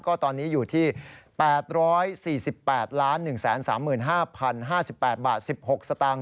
ก็ตอนนี้อยู่ที่๘๔๘๑๓๕๐๕๘บาท๑๖สตางค